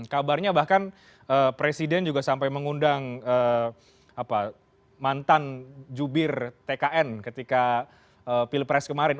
kabarnya bahkan presiden juga sampai mengundang mantan jubir tkn ketika pilpres kemarin